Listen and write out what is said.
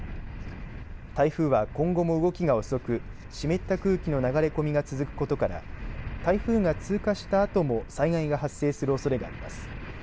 台風は、今後も動きが遅く湿った空気の流れ込みが続くことから台風が通過したあとも災害が発生するおそれがあります。